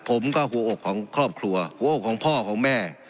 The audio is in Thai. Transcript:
หัวอกของครอบครัวหัวอกของพ่อของแม่